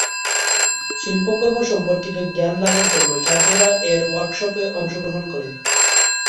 শিল্পকর্ম সম্পর্কিত জ্ঞান লাভের জন্য ছাত্ররা এর ওয়ার্কশপে অংশগ্রহণ করে।